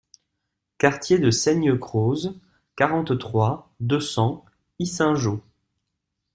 Quartier de Saignecroze, quarante-trois, deux cents Yssingeaux